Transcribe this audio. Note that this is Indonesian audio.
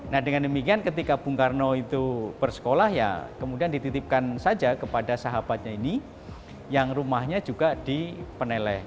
nah dengan demikian ketika bung karno itu bersekolah ya kemudian dititipkan saja kepada sahabatnya ini yang rumahnya juga di peneleh